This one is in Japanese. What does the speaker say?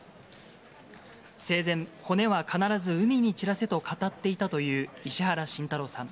生前、骨は必ず海に散らせと語っていたという石原慎太郎さん。